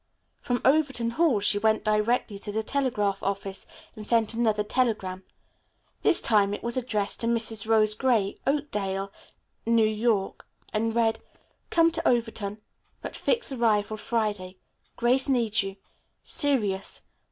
From Overton Hall she went directly to the telegraph office and sent another telegram. This time it was addressed to Mrs. Rose Gray, Oakdale, N.Y., and read: "Come to Overton, but fix arrival Friday. Grace needs you. Serious.